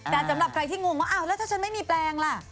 แต่สำหรับใครที่งงว่าอ้าวแล้วถ้าฉันไม่มีแปลงล่ะ